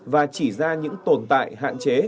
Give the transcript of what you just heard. và chỉ ra những tồn tại hạn chế